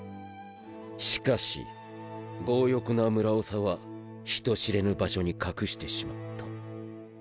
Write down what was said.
しかし強欲な村長は人知れぬ場所に隠してしまった。